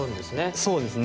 そうですね。